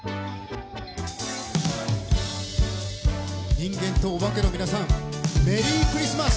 人間とお化けの皆さんメリークリスマス！